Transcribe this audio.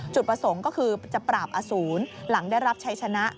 จุดประสงค์ก็คือจะปราบอสูรหลังได้รับชัยชนะ